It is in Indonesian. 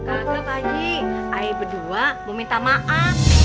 enggak enggak pak haji ayo berdua mau minta maaf